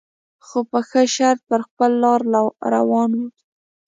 خو په ښه طبیعت پر خپله لار روان و.